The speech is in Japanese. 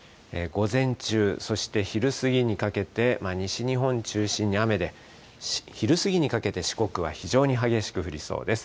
午前中、そして昼過ぎにかけて、西日本中心に雨で、昼過ぎにかけて四国は非常に激しく降りそうです。